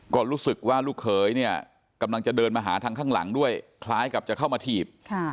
ก็รู้สึกว่าลูกเขยเนี่ยกำลังจะเดินมาหาทางข้างหลังด้วยคล้ายกับจะเข้ามาถีบ